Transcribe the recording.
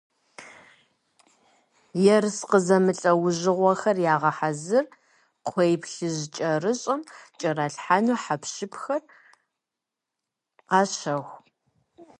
Ерыскъы зэмылӀэужьыгъуэхэр ягъэхьэзыр, кхъуейплъыжькӀэрыщӀэм кӀэралъхьэну хьэпшыпхэр къащэху.